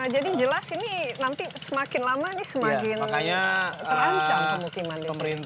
jadi jelas ini nanti semakin lama nih semakin terancam pemukiman disini